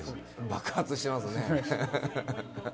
爆発してますね。